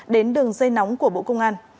đến đường dây nóng của bộ công an